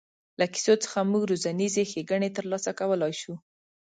له کیسو څخه موږ روزنیزې ښېګڼې تر لاسه کولای شو.